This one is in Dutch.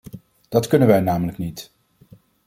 Dat kunnen wij namelijk niet!